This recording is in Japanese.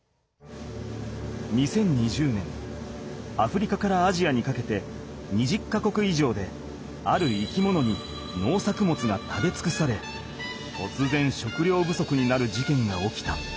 ２０２０年アフリカからアジアにかけて２０か国いじょうである生き物に農作物が食べつくされとつぜん食料不足になるじけんが起きた。